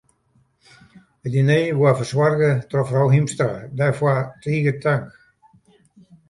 It diner waard fersoarge troch frou Hiemstra, dêrfoar tige tank.